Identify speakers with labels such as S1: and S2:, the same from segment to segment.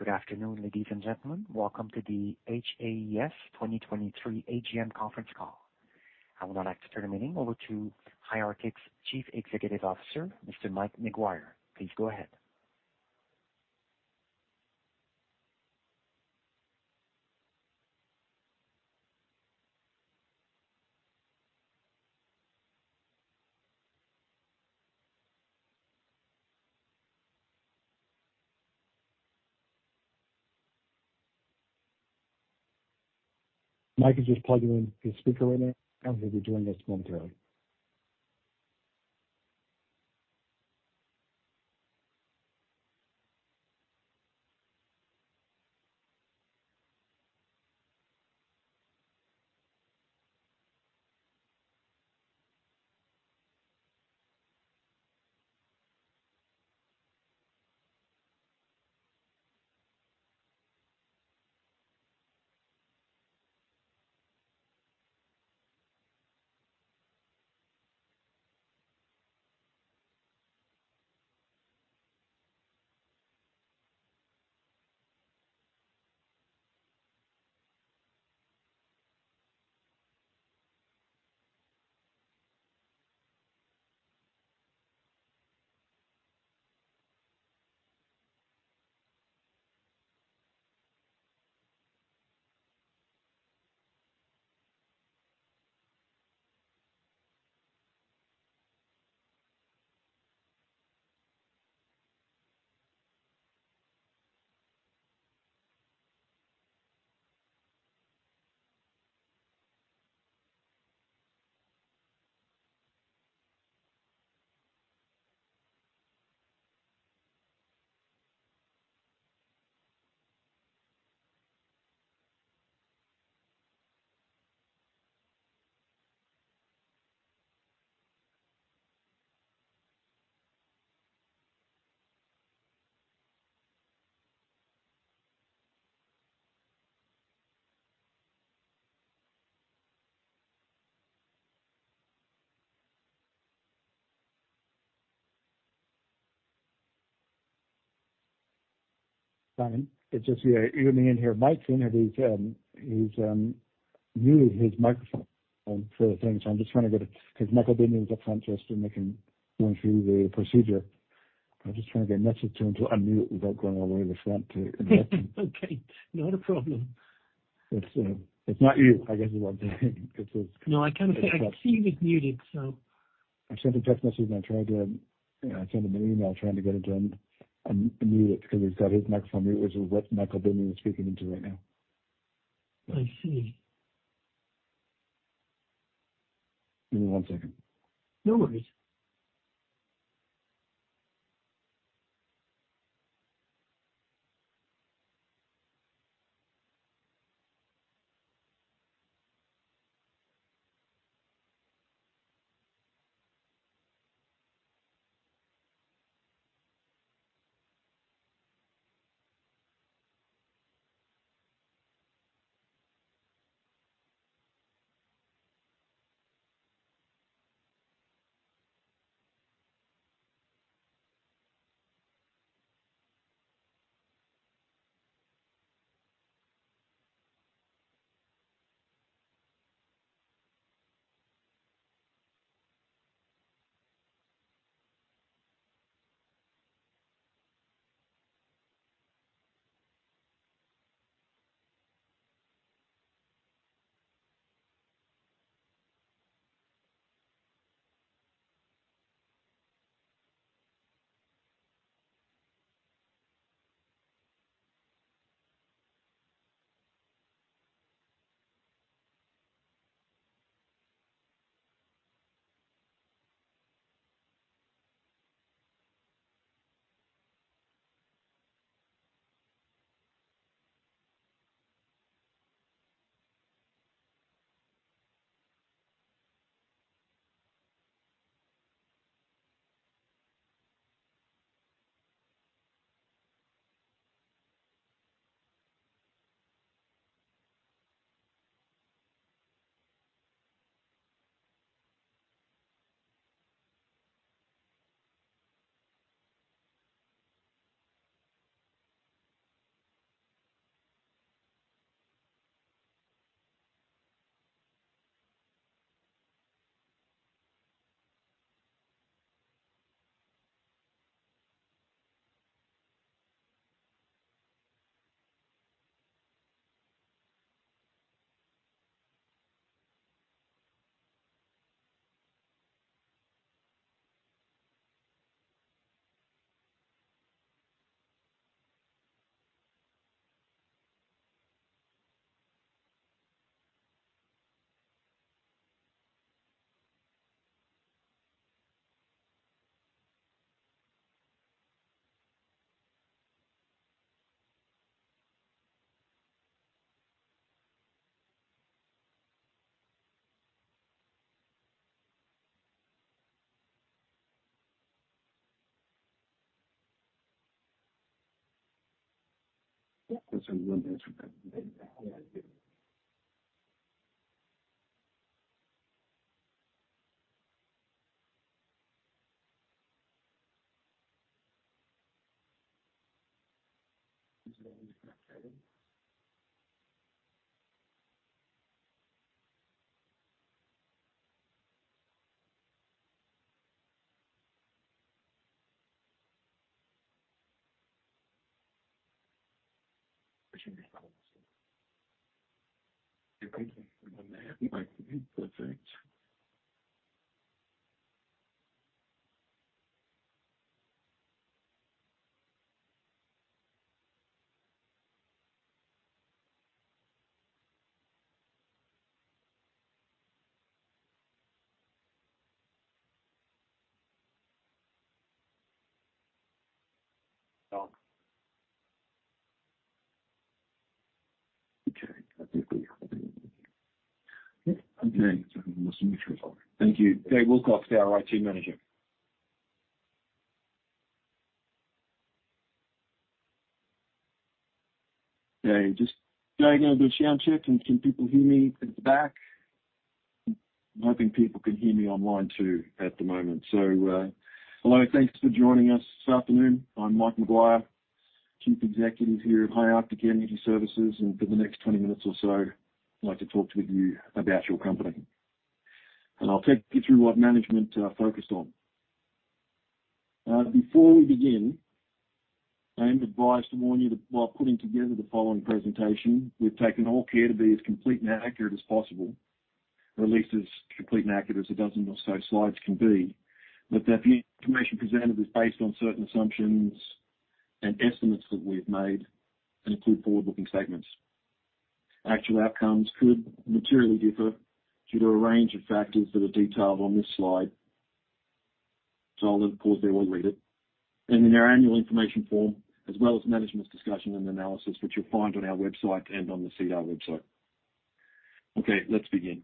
S1: Good afternoon, ladies and gentlemen. Welcome to the HAES 2023 AGM conference call. I would now like to turn the meeting over to High Arctic's Chief Executive Officer, Mr. Mike Maguire. Please go ahead.
S2: Mike is just plugging in his speaker right now. He'll be joining us momentarily. Simon, it's just you're hearing me in here. Mike's in. He's muted his microphone, sort of thing. I'm just trying to get it because Michael Binnion is up front just. They can go through the procedure. I'm just trying to get a message to him to unmute without going all the way to the front.
S1: Okay. Not a problem.
S2: It's, it's not you, I guess is what I'm saying because.
S1: No, I kind of think... I see him as muted, so.
S2: I sent a text message, and I tried to, I sent him an email trying to get him to unmute it because he's got his microphone muted, which is what Michael Binnion is speaking into right now.
S1: I see.
S2: Give me one second.
S1: No worries.
S2: That's a little better.
S3: Thank you. Dave Wilcox, our IT manager. Yeah, just doing a good sound check, can people hear me at the back? I'm hoping people can hear me online too at the moment. Hello, thanks for joining us this afternoon. I'm Mike Maguire, chief executive here at High Arctic Energy Services, for the next 20 minutes or so, I'd like to talk with you about your company. I'll take you through what management focused on. Before we begin, I am advised to warn you that while putting together the following presentation, we've taken all care to be as complete and accurate as possible, or at least as complete and accurate as a dozen or so slides can be. The information presented is based on certain assumptions and estimates that we have made and include forward-looking statements. Actual outcomes could materially differ due to a range of factors that are detailed on this slide. I'll of course be well read it. In our annual information form, as well as management's discussion and analysis, which you'll find on our website and on the SEDAR website. Let's begin.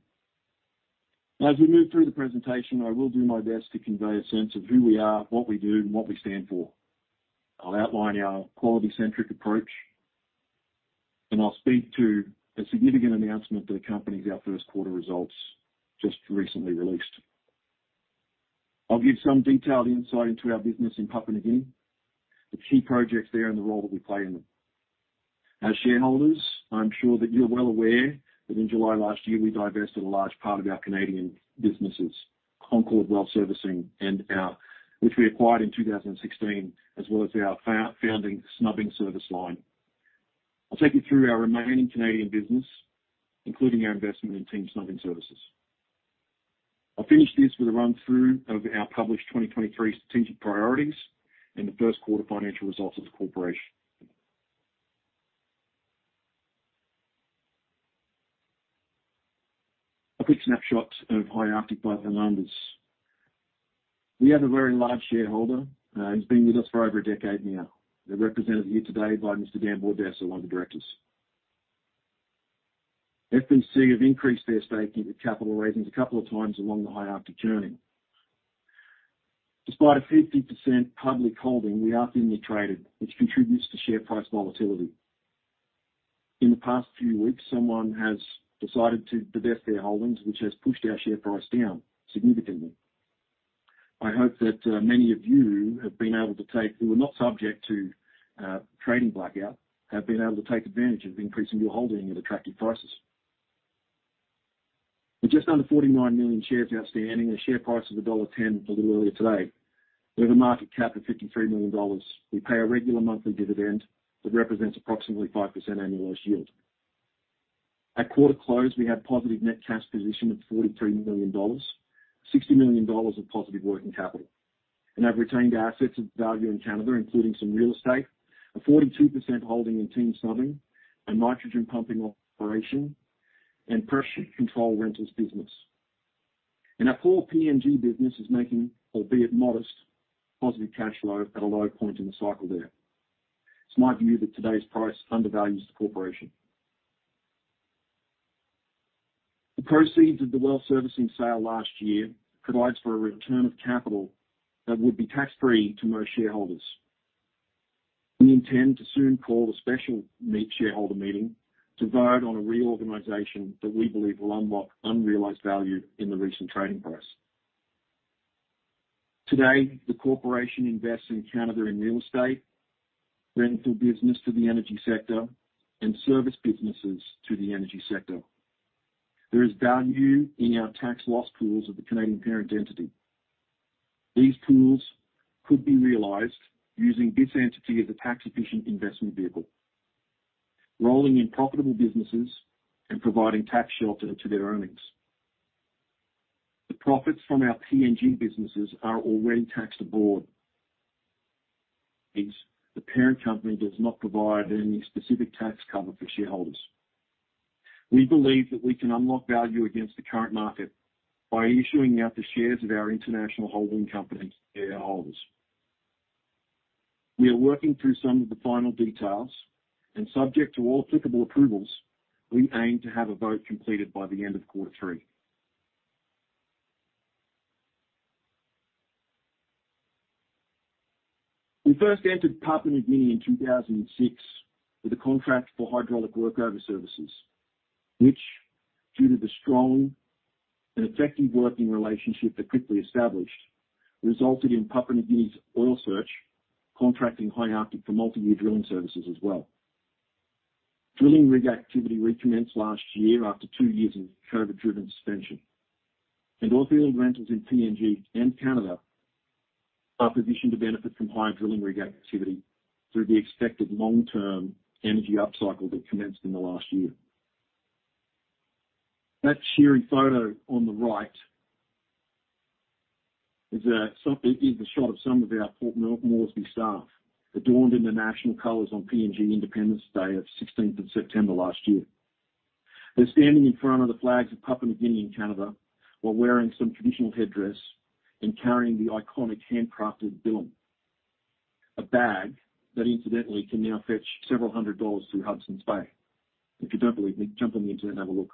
S3: As we move through the presentation, I will do my best to convey a sense of who we are, what we do, and what we stand for. I'll outline our quality-centric approach, and I'll speak to a significant announcement that accompanies our first quarter results just recently released. I'll give some detailed insight into our business in Papua New Guinea, the key projects there and the role that we play in them. As shareholders, I'm sure that you're well aware that in July last year, we divested a large part of our Canadian businesses, Concord Well Servicing and which we acquired in 2016, as well as our founding snubbing service line. I'll take you through our remaining Canadian business, including our investment in Team Snubbing services. I'll finish this with a run-through of our published 2023 strategic priorities and the first quarter financial results of the corporation. A quick snapshot of High Arctic by the numbers. We have a very large shareholder who's been with us for over a decade now. They're represented here today by Mr. Dan Bordessa, one of the directors. FBC have increased their stake in the capital raisings a couple of times along the High Arctic journey. Despite a 50% public holding, we are thinly traded, which contributes to share price volatility. In the past few weeks, someone has decided to divest their holdings, which has pushed our share price down significantly. I hope that many of you have been able to take, who are not subject to trading blackout, have been able to take advantage of increasing your holding at attractive prices. With just under 49 million shares outstanding, a share price of $1.10 a little earlier today, we have a market cap of $53 million. We pay a regular monthly dividend that represents approximately 5% annualized yield. At quarter close, we have positive net cash position of 43 million dollars, 60 million dollars of positive working capital, and have retained assets of value in Canada, including some real estate, a 42% holding in Team Snubbing, a nitrogen pumping operation, and pressure control rentals business. Our core PNG business is making, albeit modest, positive cash flow at a low point in the cycle there. It's my view that today's price undervalues the corporation. The proceeds of the well servicing sale last year provides for a return of capital that would be tax-free to most shareholders. We intend to soon call a special meet shareholder meeting to vote on a reorganization that we believe will unlock unrealized value in the recent trading price. Today, the corporation invests in Canada in real estate, rental business to the energy sector, and service businesses to the energy sector. There is value in our tax loss pools of the Canadian parent entity. These pools could be realized using this entity as a tax-efficient investment vehicle, rolling in profitable businesses and providing tax shelter to their earnings. The profits from our PNG businesses are already taxed abroad. Is the parent company does not provide any specific tax cover for shareholders. We believe that we can unlock value against the current market by issuing out the shares of our international holding company to their holders. We are working through some of the final details. Subject to all applicable approvals, we aim to have a vote completed by the end of quarter three. We first entered Papua New Guinea in 2006 with a contract for hydraulic workover services, which, due to the strong and effective working relationship that quickly established, resulted in Papua New Guinea's Oil Search contracting High Arctic for multi-year drilling services as well. Drilling rig activity recommenced last year after two years of COVID-driven suspension. Oilfield rentals in PNG and Canada are positioned to benefit from higher drilling rig activity through the expected long-term energy upcycle that commenced in the last year. That shearing photo on the right is a shot of some of our Port Moresby staff adorned in the national colors on PNG Independence Day of 16th of September last year. They're standing in front of the flags of Papua New Guinea and Canada while wearing some traditional headdress and carrying the iconic handcrafted bilum, a bag that incidentally can now fetch CAD several hundred dollars through Hudson's Bay. If you don't believe me, jump on the internet and have a look.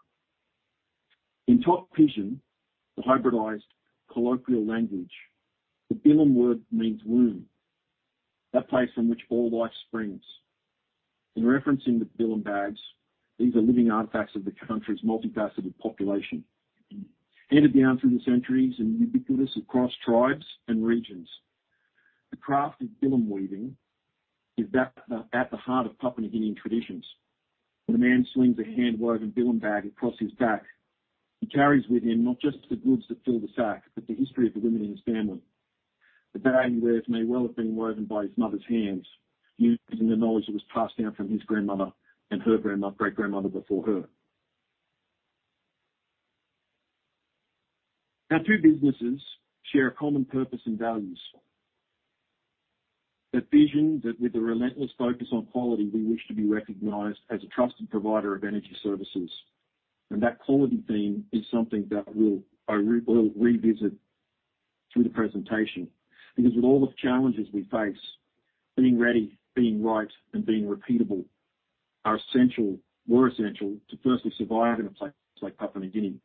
S3: In Tok Pisin, the hybridized colloquial language, the bilum word means womb. That place from which all life springs. In referencing the bilum bags, these are living artifacts of the country's multifaceted population. Handed down through the centuries and ubiquitous across tribes and regions. The craft of bilum weaving is at the heart of Papua New Guinea traditions. When a man swings a hand-woven bilum bag across his back, he carries with him not just the goods that fill the sack, but the history of the women in his family. The bag he wears may well have been woven by his mother's hands using the knowledge that was passed down from his grandmother and her great-grandmother before her. Our two businesses share a common purpose and values. The vision that with the relentless focus on quality, we wish to be recognized as a trusted provider of energy services. That quality theme is something that we'll revisit through the presentation, because with all the challenges we face, being ready, being right, and being repeatable are essential. We're essential to firstly survive in a place like Papua New Guinea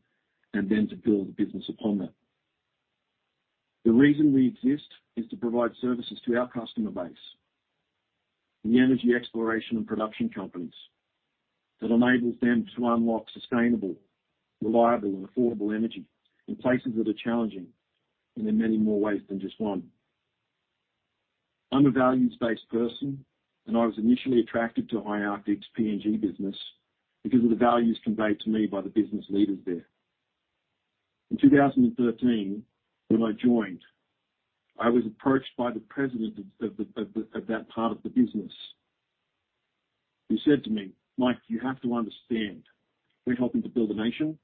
S3: and then to build a business upon that. The reason we exist is to provide services to our customer base and the energy exploration and production companies that enables them to unlock sustainable, reliable, and affordable energy in places that are challenging in many more ways than just one. I'm a values-based person. I was initially attracted to High Arctic's PNG business because of the values conveyed to me by the business leaders there. In 2013, when I joined, I was approached by the president of that part of the business. He said to me, "Mike, you have to understand, we're helping to build a nation,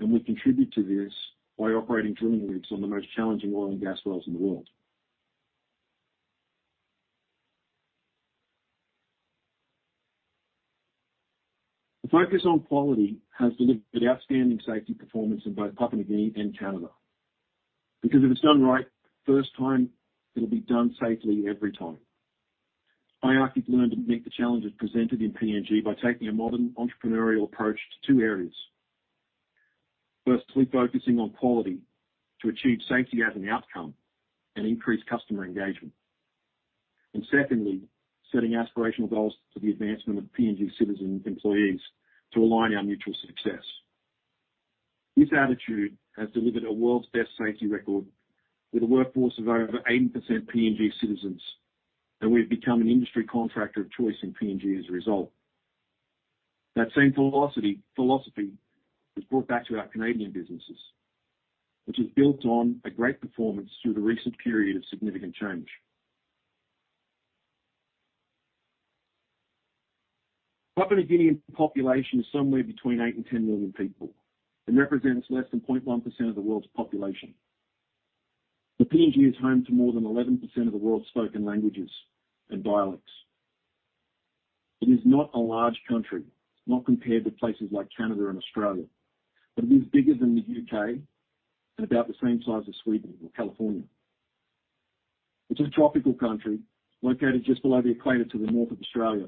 S3: and we contribute to this by operating drilling rigs on the most challenging oil and gas wells in the world." The focus on quality has delivered outstanding safety performance in both Papua New Guinea and Canada, because if it's done right first time, it'll be done safely every time. High Arctic learned to meet the challenges presented in PNG by taking a modern entrepreneurial approach to two areas. Firstly, focusing on quality to achieve safety as an outcome and increase customer engagement. Secondly, setting aspirational goals for the advancement of PNG citizen employees to align our mutual success. This attitude has delivered a world's best safety record with a workforce of over 80% PNG citizens, and we've become an industry contractor of choice in PNG as a result. That same philosophy was brought back to our Canadian businesses, which has built on a great performance through the recent period of significant change. Papua New Guinea population is somewhere between eight and 10 million people and represents less than 0.1% of the world's population. PNG is home to more than 11% of the world's spoken languages and dialects. It is not a large country, not compared with places like Canada and Australia, but it is bigger than the UK and about the same size as Sweden or California. It is a tropical country located just below the equator to the north of Australia.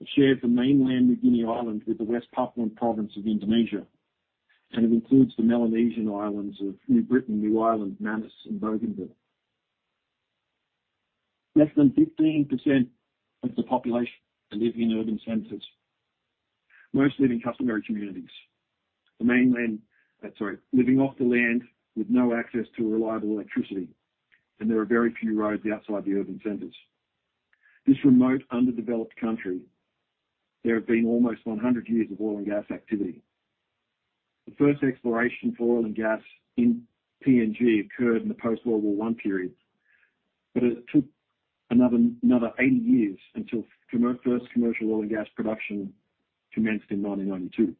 S3: It shares the mainland New Guinea island with the West Papuan province of Indonesia, and it includes the Melanesian islands of New Britain, New Ireland, Manus, and Bougainville. Less than 15% of the population live in urban centers, most live in customary communities. Living off the land with no access to reliable electricity, and there are very few roads outside the urban centers. This remote, underdeveloped country, there have been almost 100 years of oil and gas activity. The first exploration for oil and gas in PNG occurred in the post-World War I period, but it took another 80 years until first commercial oil and gas production in 1992.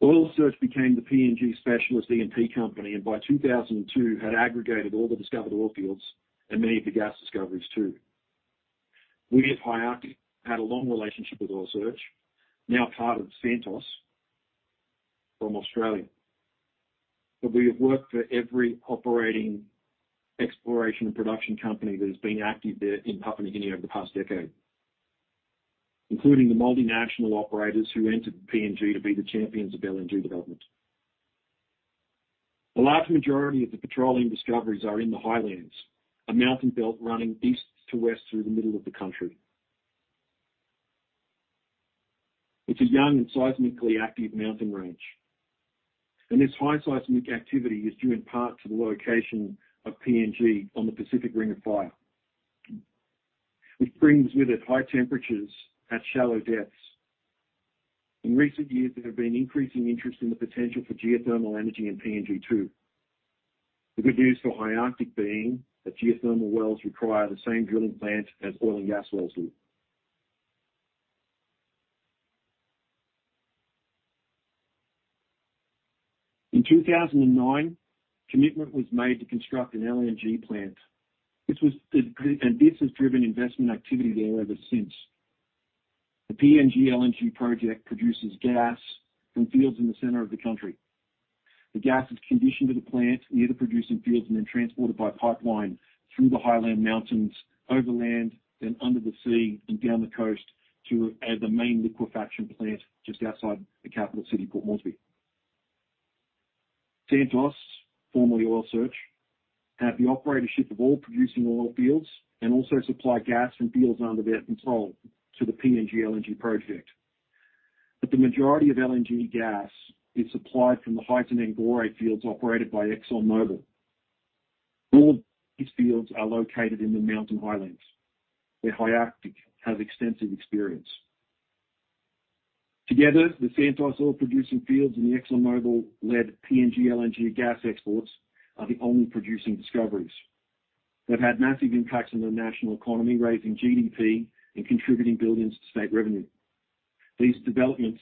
S3: Oil Search became the PNG specialist E&P company, and by 2002 had aggregated all the discovered oil fields and many of the gas discoveries too. We at High Arctic had a long relationship with Oil Search, now part of Santos from Australia. We have worked for every operating exploration and production company that has been active there in Papua New Guinea over the past decade, including the multinational operators who entered PNG to be the champions of LNG development. The large majority of the petroleum discoveries are in the highlands, a mountain belt running east to west through the middle of the country. It's a young and seismically active mountain range, and its high seismic activity is due in part to the location of PNG on the Pacific Ring of Fire, which brings with it high temperatures at shallow depths. In recent years, there has been increasing interest in the potential for geothermal energy in PNG, too. The good news for High Arctic being that geothermal wells require the same drilling plant as oil and gas wells do. In 2009, commitment was made to construct an LNG plant. This has driven investment activity there ever since. The PNG LNG project produces gas from fields in the center of the country. The gas is conditioned to the plant near the producing fields and then transported by pipeline through the Highland Mountains, overland, then under the sea and down the coast to the main liquefaction plant just outside the capital city, Port Moresby. Santos, formerly Oil Search, have the operatorship of all producing oil fields and also supply gas from fields under their control to the PNG LNG project. The majority of LNG gas is supplied from the Hides fields operated by ExxonMobil. All these fields are located in the mountain highlands, where High Arctic has extensive experience. Together, the Santos oil-producing fields and the ExxonMobil-led PNG LNG gas exports are the only producing discoveries. They've had massive impacts on the national economy, raising GDP and contributing billions to state revenue. These developments,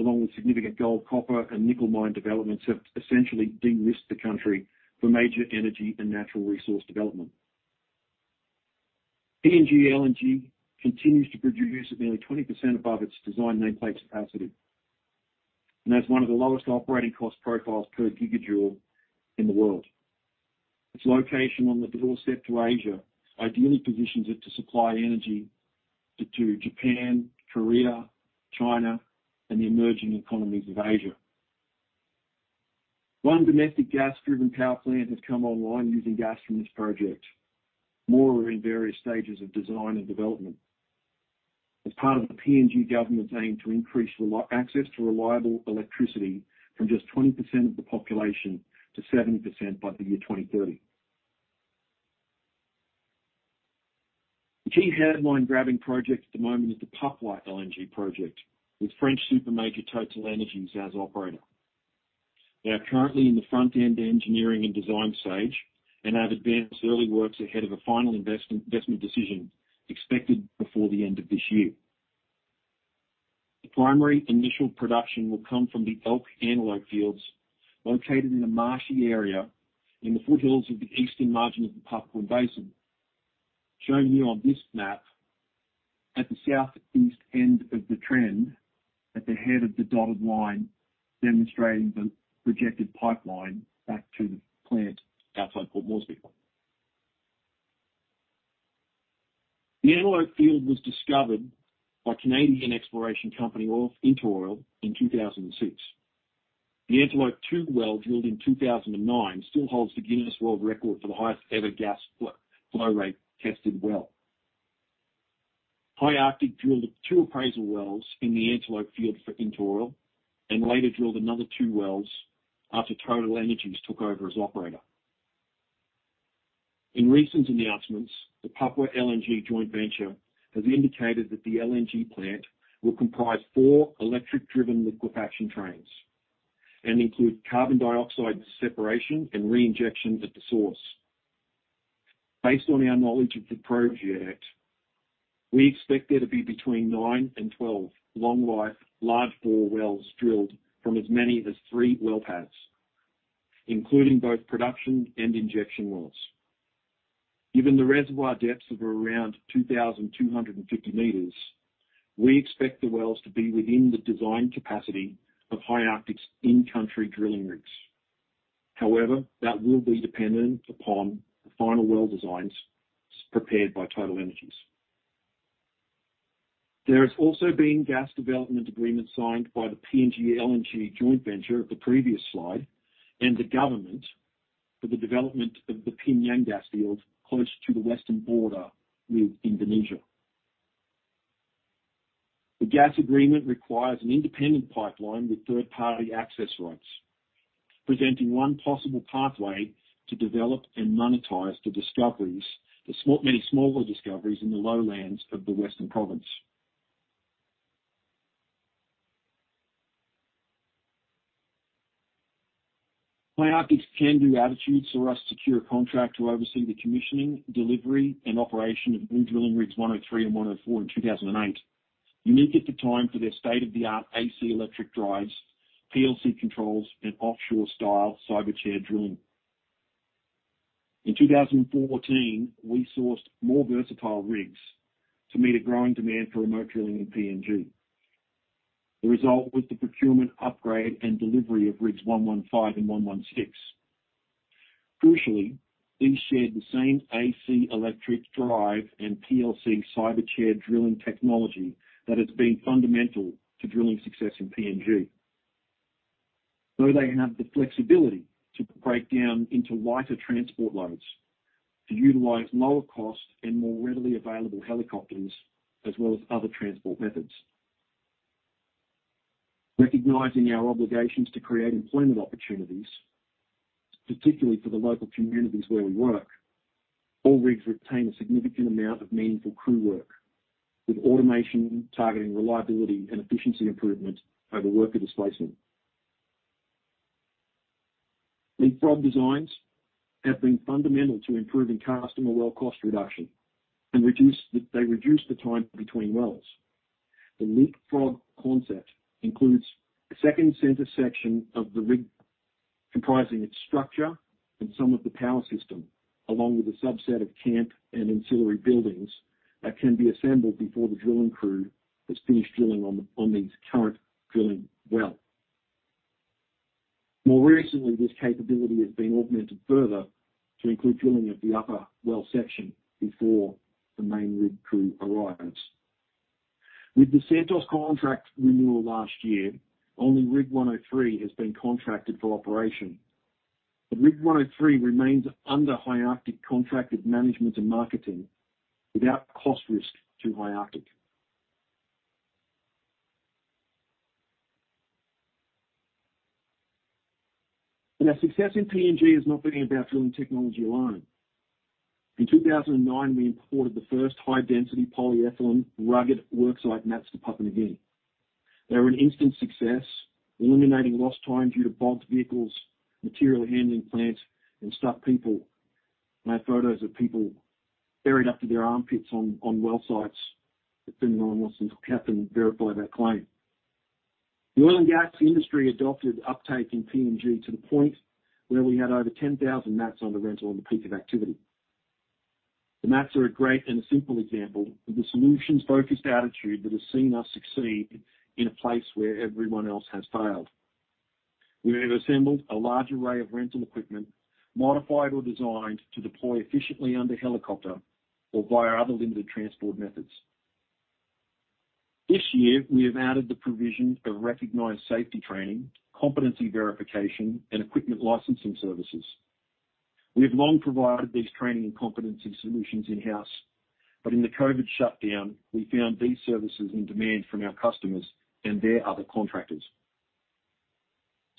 S3: along with significant gold, copper, and nickel mine developments, have essentially de-risked the country for major energy and natural resource development. PNG LNG continues to produce at nearly 20% above its design nameplate capacity, and has one of the lowest operating cost profiles per gigajoule in the world. Its location on the doorstep to Asia ideally positions it to supply energy to Japan, Korea, China, and the emerging economies of Asia. One domestic gas-driven power plant has come online using gas from this project. More are in various stages of design and development as part of the PNG government's aim to increase access to reliable electricity from just 20% of the population to 70% by the year 2030. The key headline-grabbing project at the moment is the Papua LNG project, with French super major TotalEnergies as operator. They are currently in the front-end engineering and design stage and have advanced early works ahead of a final investment decision expected before the end of this year. The primary initial production will come from the Elk-Antelope fields located in a marshy area in the foothills of the eastern margin of the Papuan Basin. Shown here on this map at the southeast end of the trend, at the head of the dotted line, demonstrating the projected pipeline back to the plant outside Port Moresby. The Antelope field was discovered by Canadian exploration company InterOil in 2006. The Antelope-2 well drilled in 2009 still holds the Guinness World Record for the highest ever gas flow rate tested well. High Arctic drilled two appraisal wells in the Antelope field for InterOil and later drilled another two wells after TotalEnergies took over as operator. In recent announcements, the Papua LNG joint venture has indicated that the LNG plant will comprise four electric-driven liquefaction trains and include carbon dioxide separation and reinjection at the source. Based on our knowledge of the project, we expect there to be between 9 and 12 long life, large bore wells drilled from as many as 3 well pads, including both production and injection wells. Given the reservoir depths of around 2,250 meters, we expect the wells to be within the design capacity of High Arctic's in-country drilling rigs. That will be dependent upon the final well designs prepared by TotalEnergies. There has also been gas development agreement signed by the PNG LNG joint venture of the previous slide and the government for the development of the P'nyang gas field closer to the western border with Indonesia. The gas agreement requires an independent pipeline with third-party access rights, presenting 1 possible pathway to develop and monetize the discoveries, the small, many smaller discoveries in the lowlands of the western province. High Arctic's can-do attitude saw us secure a contract to oversee the commissioning, delivery, and operation of new drilling rigs Rig 103 and Rig 104 in 2008. Unique at the time for their state-of-the-art AC electric drives, PLC controls, and offshore style cyber chair drilling. In 2014, we sourced more versatile rigs to meet a growing demand for remote drilling in PNG. The result was the procurement upgrade and delivery of rigs Rig 115 and Rig 116. Crucially, these shared the same AC electric drive and PLC cyber chair drilling technology that has been fundamental to drilling success in PNG. They have the flexibility to break down into lighter transport loads to utilize lower costs and more readily available helicopters as well as other transport methods. Recognizing our obligations to create employment opportunities, particularly for the local communities where we work, all rigs retain a significant amount of meaningful crew work, with automation targeting reliability and efficiency improvement over worker displacement. Leapfrog designs have been fundamental to improving customer well cost reduction and They reduce the time between wells. The leapfrog concept includes a second center section of the rig comprising its structure and some of the power system, along with a subset of camp and ancillary buildings that can be assembled before the drilling crew has finished drilling on these current drilling well. More recently, this capability has been augmented further to include drilling of the upper well section before the main rig crew arrives. With the Santos contract renewal last year, only Rig 103 has been contracted for operation. Rig 103 remains under High Arctic contracted management and marketing without cost risk to High Arctic. Our success in PNG is not really about drilling technology alone. In 2009, we imported the first high-density polyethylene rugged worksite mats to Papua New Guinea. They were an instant success, eliminating lost time due to bogged vehicles, material handling plants, and stuck people. I have photos of people buried up to their armpits on well sites that didn't know what else to do. Kathryn will verify that claim. The oil and gas industry adopted uptake in PNG to the point where we had over 10,000 mats under rental on the peak of activity. The mats are a great and a simple example of the solutions-focused attitude that has seen us succeed in a place where everyone else has failed. We have assembled a large array of rental equipment, modified or designed to deploy efficiently under helicopter or via other limited transport methods. This year, we have added the provision of recognized safety training, competency verification, and equipment licensing services. We have long provided these training and competency solutions in-house. In the COVID shutdown, we found these services in demand from our customers and their other contractors.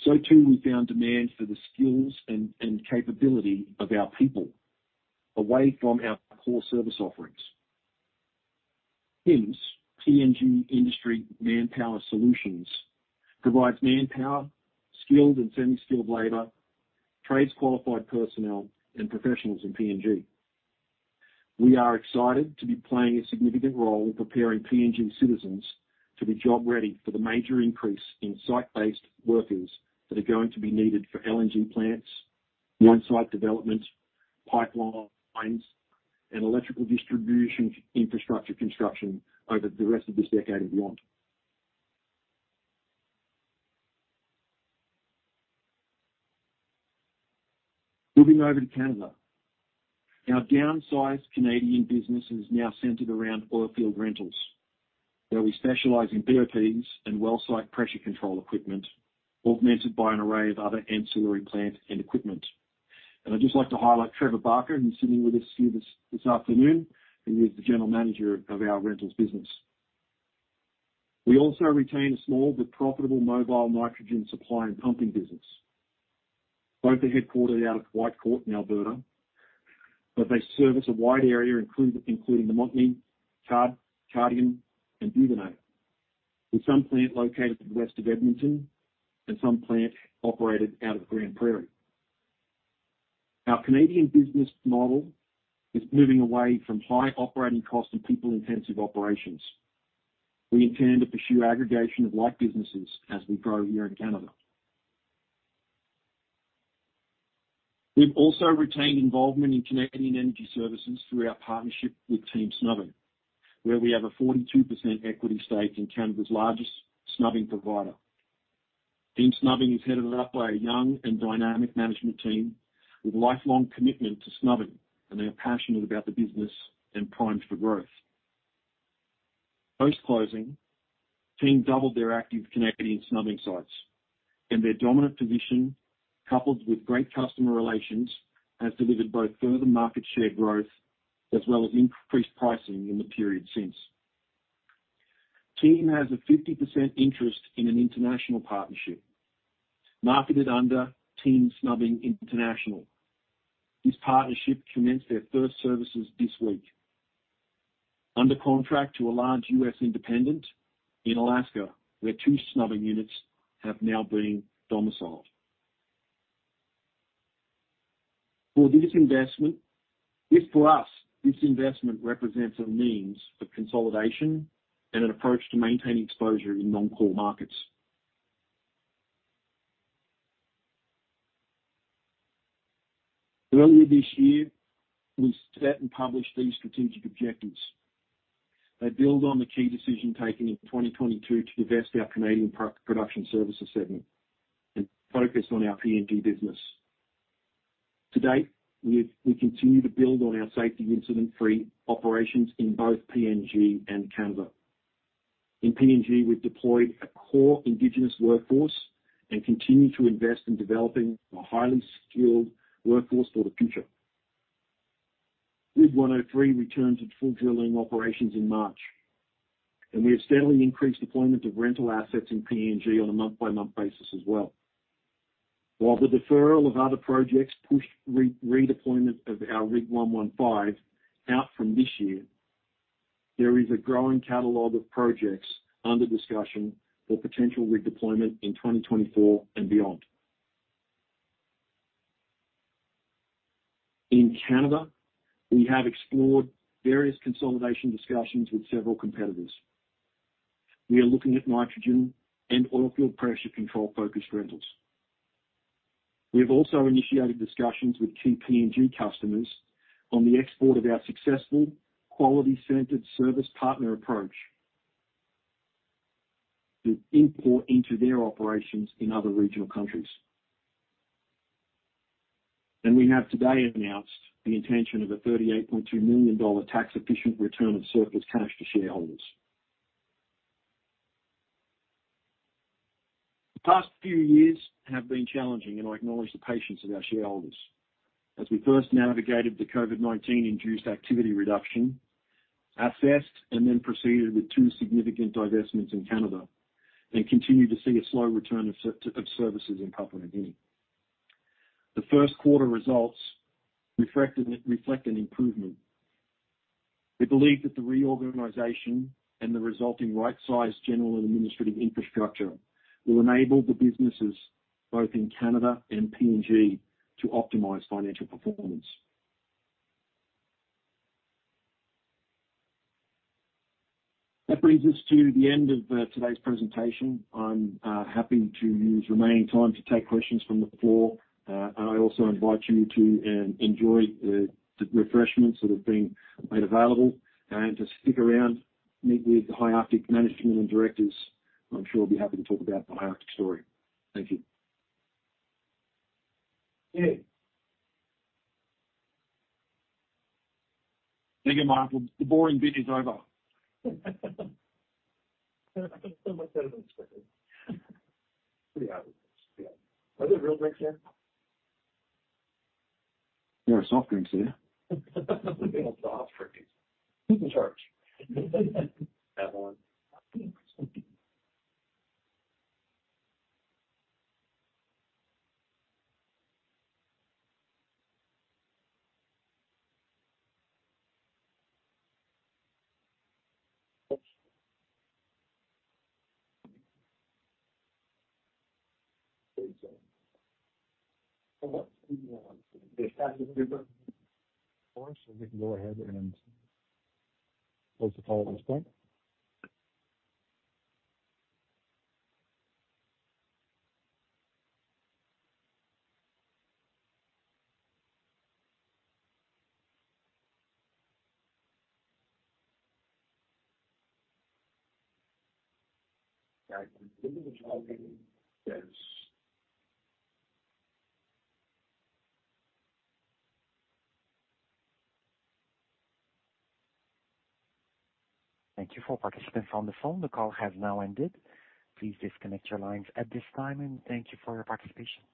S3: Too, we found demand for the skills and capability of our people away from our core service offerings. PIMS, PNG Industry Manpower Solutions, provides manpower, skilled and semi-skilled labor, trades qualified personnel, and professionals in PNG. We are excited to be playing a significant role in preparing PNG citizens to be job ready for the major increase in site-based workers that are going to be needed for LNG plants, mine site development, pipelines, and electrical distribution infrastructure construction over the rest of this decade and beyond. Moving over to Canada. Our downsized Canadian business is now centered around oil field rentals, where we specialize in BOPs and well site pressure control equipment, augmented by an array of other ancillary plant and equipment. I'd just like to highlight Trevor Barker, who's sitting with us here this afternoon, and he is the general manager of our rentals business. We also retain a small but profitable mobile nitrogen supply and pumping business. Both are headquartered out of Whitecourt in Alberta, but they service a wide area including the Montney, Cardium, and Duvernay. With some plant located west of Edmonton and some plant operated out of Grande Prairie. Our Canadian business model is moving away from high operating costs and people-intensive operations. We intend to pursue aggregation of like businesses as we grow here in Canada. We've also retained involvement in Canadian Energy Services through our partnership with Team Snubbing, where we have a 42% equity stake in Canada's largest snubbing provider. Team Snubbing is headed up by a young and dynamic management team with lifelong commitment to snubbing. They are passionate about the business and primed for growth. Post-closing, Team doubled their active Canadian snubbing sites. Their dominant position, coupled with great customer relations, has delivered both further market share growth as well as increased pricing in the period since. Team has a 50% interest in an international partnership marketed under Team Snubbing International. This partnership commenced their first services this week. Under contract to a large U.S. independent in Alaska, where two snubbing units have now been domiciled. This, for us, this investment represents a means for consolidation and an approach to maintain exposure in non-core markets. Earlier this year, we set and published these strategic objectives. They build on the key decision taking in 2022 to divest our Canadian pro-production services segment and focus on our PNG business. To date, we continue to build on our safety incident-free operations in both PNG and Canada. In PNG, we've deployed a core indigenous workforce and continue to invest in developing a highly skilled workforce for the future. Rig 103 returned to full drilling operations in March, and we have steadily increased deployment of rental assets in PNG on a month-by-month basis as well. While the deferral of other projects pushed re-redeployment of our Rig 115 out from this year, there is a growing catalog of projects under discussion for potential rig deployment in 2024 and beyond. In Canada, we have explored various consolidation discussions with several competitors. We are looking at nitrogen and oil field pressure control-focused rentals. We have also initiated discussions with key PNG customers on the export of our successful quality-centered service partner approach to import into their operations in other regional countries. We have today announced the intention of a $38.2 million tax efficient return of surplus cash to shareholders. The past few years have been challenging, and I acknowledge the patience of our shareholders as we first navigated the COVID-19 induced activity reduction, assessed and then proceeded with two significant divestments in Canada, and continue to see a slow return of services in Papua New Guinea. The first quarter results reflect an improvement. We believe that the reorganization and the resulting right-size general and administrative infrastructure will enable the businesses both in Canada and PNG to optimize financial performance. That brings us to the end of today's presentation. I'm happy to use remaining time to take questions from the floor. I also invite you to enjoy the refreshments that have been made available and to stick around, meet with the High Arctic management and directors, who I'm sure will be happy to talk about the High Arctic story. Thank you.
S1: Dave.
S2: Thank you, Michael. The boring bit is over.
S1: Thank you for participants on the phone. The call has now ended. Please disconnect your lines at this time and thank you for your participation.